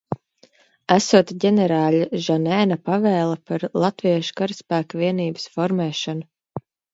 Esot ģenerāļa Žanēna pavēle par latviešu karaspēka vienības formēšanu.